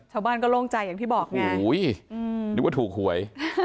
ชาวบ้านก็โล่งใจอย่างที่บอกไงนึกว่าถูกหวย